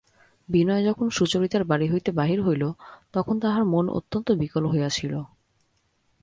বিনয় যখন সুচরিতার বাড়ি হইতে বাহির হইল তখন তাহার মন অত্যন্ত বিকল হইয়া ছিল।